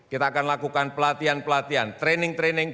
kita akan lakukan pelatihan pelatihan training training